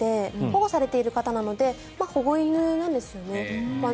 保護されている方なので保護犬なんですよね。